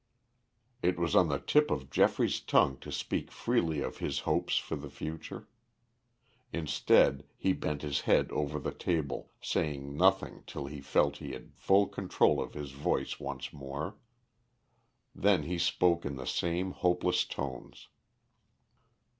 It was on the tip of Geoffrey's tongue to speak freely of his hopes for the future. Instead he bent his head over the table, saying nothing till he felt he had full control of his voice once more. Then he spoke in the same hopeless tones.